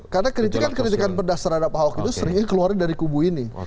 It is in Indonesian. karena kritikan kritikan berdasar terhadap pahok itu sering keluar dari kubu ini